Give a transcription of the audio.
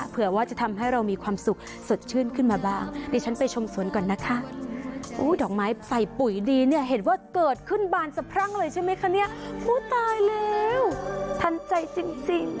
เผื่อว่าจะทำให้เรามีความสุขสดชื่นขึ้นมาบางเดี๋ยวฉันไปชมสวนก่อนนะคะดอกไม้ไฟปุ๋ยดีเนี่ยเห็นว่าเกิดขึ้นบานสะพรั่งเลยใช่ไหมคะเนี่ยตายแล้วทันใจจริง